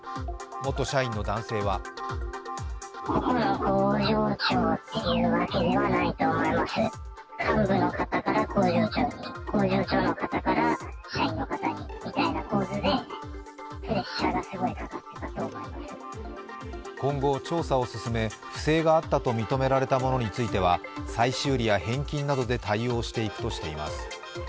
元社員の男性は今後調査を進め、不正があったと認められたものについては再修理や返金などで対応していくとしています。